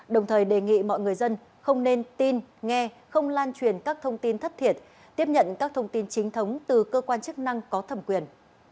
đồng thời đề nghị mọi người dân không nên tin nghe không lan truyền các thông tin thất thiệt tiếp nhận các thông tin chính thống từ cơ quan chức năng có thẩm quyền